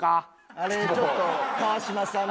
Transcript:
あれちょっと川島さんに。